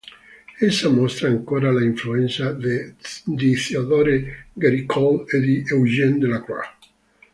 Essa mostra ancora l'influenza di Théodore Géricault e di Eugène Delacroix.